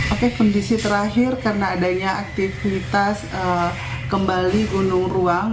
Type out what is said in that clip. oke kondisi terakhir karena adanya aktivitas kembali gunung ruang